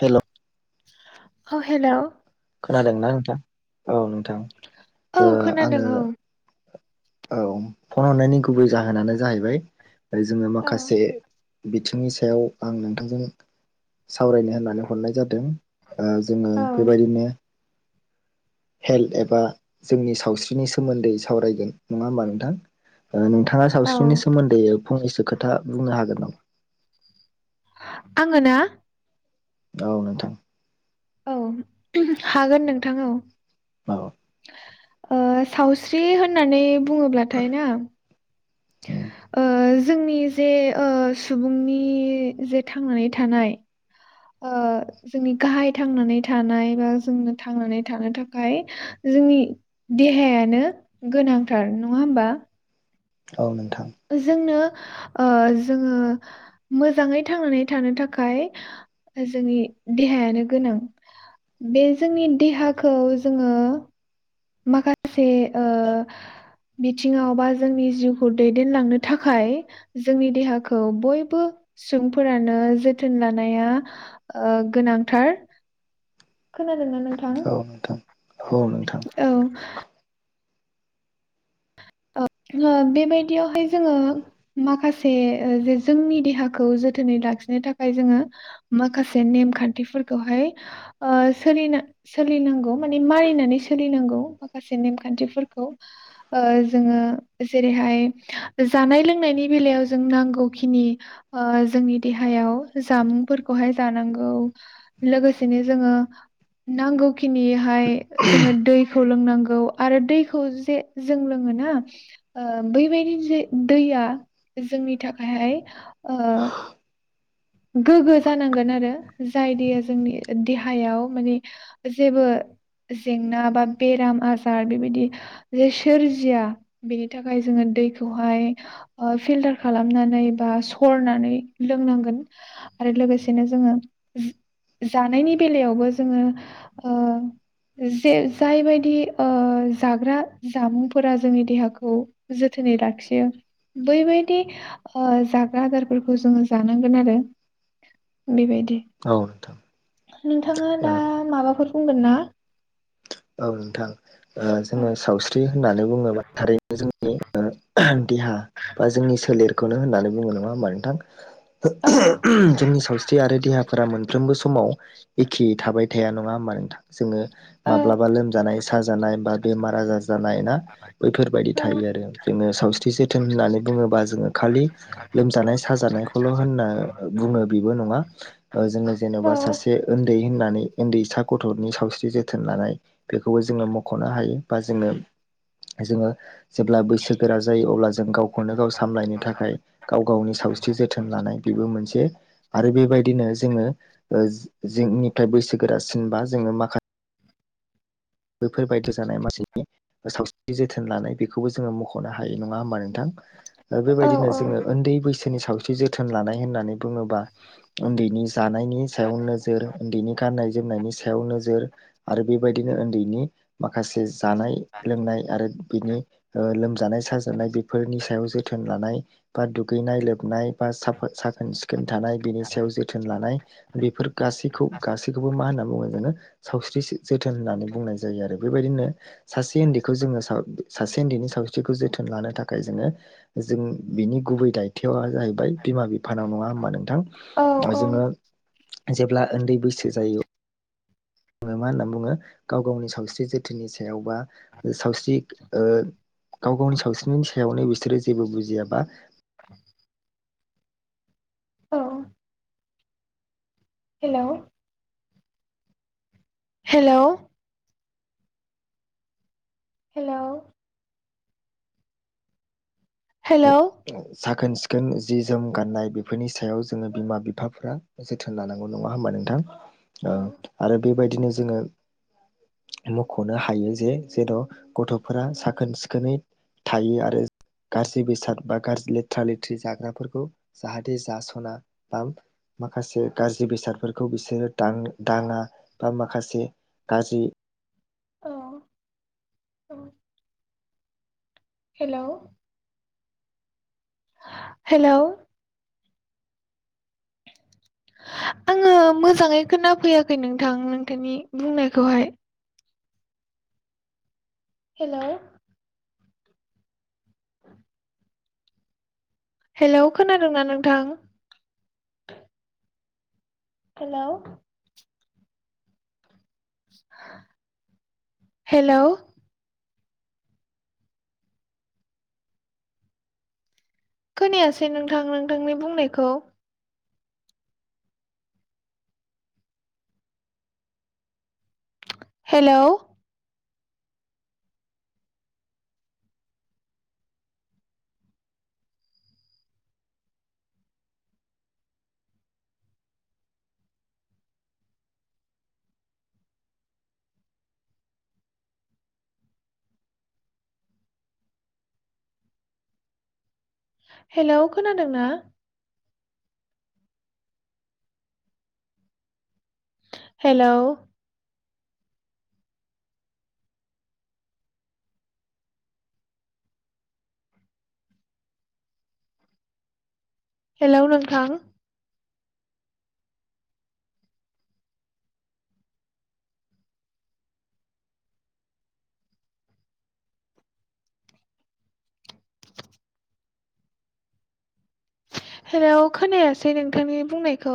Hello औ hello खोनादों ना नोंथाङां औ थां औ ओ खोनादों आङो औ फन हरनायनि गुबै जाहोनानो जाहैबाय आरो जोङो औ माखासे बिथिंनि सायाव आं नोंथांजों सावरायनो होननानै हरनाय जादों ओ जोङो बेबायदिनो हेल्थ एबा जोंनि सावस्रिनि सोमोन्दै सावरायगोन नङा होमबा नोंथां ओ नोंथाङा औ सावस्रिनि सोमोन्दै फंनैसो खोथा बुंनो हागोन नामा आङो ना औ नोंथां औ हागोन नोंथां औ औ ओ सावस्रि हो होननानै बुङोब्लाथाय ना ओ जोंनि जे ओ सुबुंनि जे थांनानै थानाय ओ जोंनि गाहाय थांनानै थानाय बा जोंनो थांनानै थानो थाखाय जोंनि देहायानो गोनांथार नङा होमबा औ नोंथां जोंनो ओ जोङो मोजाङै थांनानै थानो थाखाय जोंनि देहायानो गोनां बे जोंनि देहाखौ जोङो माखासे ओ बिथिङाव बा जोंनि जिउखौ दैदेनलांनो थाखाय जोंनि देहाखौ बयबो सुबुंफोरानो जोथोन लानाया ओ गोनांथार खोना दोंना नोंथां औ नोंथां औ नोंथां औ बेबायदियावहाय जोङो माखासे जे जोंनि देहाखौ जोथोनै लाखिनो थाखाय जोङो माखासे नेमखान्थिफोरखौहाय सोना सोलिनांगौ माने मारिनानै सोलिनांगौ माखासे नेमखान्थिफोरखौ ओ जोङो जेरैहाय जानाय लोंनायनि बेलायाव जों नांगौखिनि जोंनि देहायाव जामुंफोरखौहाय जानांगौ लोगोसेनो जोङो नांगौखिनिहाय जोङो दै दैखौ लोंनांगौ आरो दैखौ जे जों लों ओ बैबायदि जे दैया जोंनि थाखायहाय ओ गोग्गो जानांगोन आरो जाय दैया जोंनि देहायाव माने जेबो जेंना बा बेराम आजार बेबायदि जे सोरजिया बेनि थाखाय जोङो दैखौहाय फिल्टार खालामनानै बा सरनानै लोंनांगोन आरो लोगोसेनो जोङो जानायनि बेलायावबो जोङो ओ जे जायबायदि ओ जाग्रा जामुंफोरा जोंनि देहाखौ जोथोनै लाखियो बैबायदि ओ जाग्रा आदारफोरखौ जोङो जानांगोन आरो बिबायदि औ नोंथां नोंथाङा दा ओ माबाफोर बुंगोनना औ नोंथां ओ जोङो सावस्रि होननानै बुङोबा थारैनो जों [inaudible] देहा बा जोंनि सोलेरखौनो होननानै बुङो नङा होमबा औ नोंथां जोंनि सावस्रि आरो देहाफोरा मोनफ्रोमबो समाव एखे थाबाय थाया नङा होमबा नोंथां जोङो औ माब्लाबा लोमजानाय साजानाय बा बेमार आजार जानाय ना [inaudible] बैफोर बायदि औ थायो आरो जोङो सावस्रि जोथोन होननानै बुङोब्ला जोङो खालि लोमजानाय साजानाय खौल होनना बुङो बेबो नङा जोङो ओ औ जेन'बा सासे ओन्दै होननानै ओन्दैसा गथ'नि सावस्रि जो जोथोन लानाय बेखौबो जोङो मख'नो हायो बा जोङो जोङो जेब्ला बैसो गोरा जायो अब्ला जों गावखौनो गाव सामलायनो थाखाय गाव गावनि सावस्रि जोथोन लानाय बेबो मोनसे आरो बेबायदिनो जोङो जिंनिफ्राय बैसोगोरासिन बा जोङो माखासे बेैफोर बायदि जानाय मानसिनि सावस्रिनि जोथोन लानाय बेखौबो जोङो मख'नो हायो नङा होमबा नों बेबायदिनो औ जोङो उन्दै बैसो नि सावस्रि जोथोन लानाय होननानै बुङोबा ओन्दैनि जानायनि सायाव नोजोर उन्दैनि गाननाय जोमनाय जोमनायनि सायाव नोजोर आरो बेबायदिनो ओन्दै माखासे जानाय लोंनाय आरो बिनि लोमजानाय साजानाय बेफोरनि सायाव जे जोथोन लानाय बा दुगैनाय लोबनाय बा साखोन सिखोन खोन थानाय बिनि सायाव जोथोन लानाय बेफोर गासिखौ गासैखौबो मा होनो बुङो जोङो सावस्रि जोथोन होननानै बुंनाय ज जायो आरो बेबायदिनो सासे ओन्दैखौ जोङो सासे ओन्दैनि सावस्रिखौ जोथोन लानो थाखाय जोङो जों बिनि गुबै दायथ'वा जाहैबाय बिमा बिफानाव नङा होनबा नों थां औ ओ औ जोङो जेब्ला उन्दै बैसो जायो ङो मा होनना बुङो गाव गावनि सावस्रि जोथोननि सायाव बा सावस्रि ओ गाव गावनि सावस्रिनि सायावनो बिसोरो जेबो बुजियाबा औ हेलौ। हेलौ। हेलौ। हेलौ [unintelligible] साख खोन-सिखोन जि जोम गाननाय बेफोरनि सायाव जोङो बिमा बिफाफ्रा जोथोन लानांगौ नङा होमबा नोंथां ओ औ आरो बेबायदिनो जोङो मख'नो हायो जे जेर' गथ'फोरा साखोन-सिखोनै थायो आरो गासै बेसाद बा गाज्रि लेथ्रा-लेथ्रि जाग्राफोरखौ जाहाथे जासना बां माखासे गाज्रि बेसादफोरखौ बिसोरो दां दाङा बा माखासे गाज्रि औ औ। हेलौ। हेलौ। आङो मोजाङै खोनाफैयाखै नोंथां नोंथांनि बुंनायखौहाय हेलौ। हेलौ खोनादोंना नोंथां? हेलौ। हेलौ। खोनायासै नोंथां नोंथांनि बुंनायखौ। हेलौ। हेलौ खोनादों ना? हेलौ। हेलौ नोंथां। हेलौ खोनायासै नोंथांनि बुंनायखौ।